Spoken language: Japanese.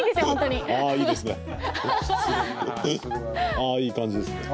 ああいいですね。